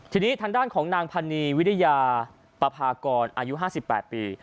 ทีนี้ทางด้านของนางพันนีวิริยาปภากรอายุ๕๘ปี